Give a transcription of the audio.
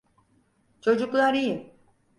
Çocuklar iyi.